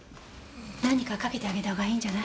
何か掛けてあげた方がいいんじゃない？